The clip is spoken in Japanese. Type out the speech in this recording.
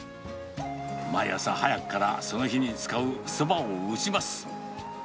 毎朝早くから、その日に使うそばを打ちます。